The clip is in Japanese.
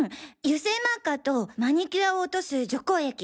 油性マーカーとマニキュアを落とす除光液！